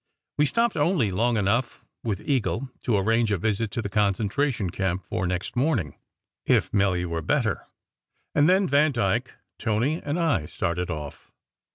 We stopped only long enough with Eagle to ar range a visit to the concentration camp for next morning, if Milly were better, and then Vandyke, Tony, and I started off.